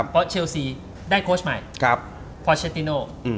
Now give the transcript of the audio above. เพราะเชลซีได้โค้ชใหม่ฟอร์เชติโน